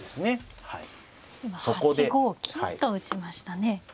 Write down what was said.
今８五金と打ちましたね。